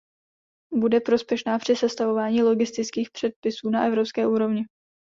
Bude prospěšná při sestavování logistických předpisů na evropské úrovni.